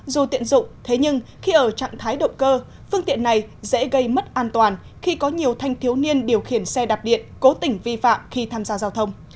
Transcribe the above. dù tiện dụng thế nhưng khi ở trạng thái động cơ phương tiện này dễ gây mất an toàn khi có nhiều thanh thiếu niên điều khiển xe đạp điện cố tình vi phạm khi tham gia giao thông